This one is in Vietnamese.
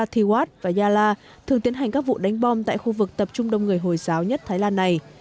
thiwas và yala thường tiến hành các vụ đánh bom tại khu vực tập trung đông người hồi giáo nhất thái lan này